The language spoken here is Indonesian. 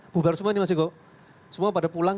bubar semua ini mas joko semua pada pulang